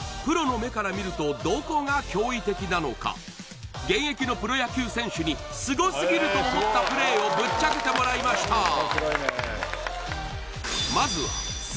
プロの目から見るとどこが驚異的なのか現役のプロ野球選手にスゴすぎると思ったプレーをぶっちゃけてもらいました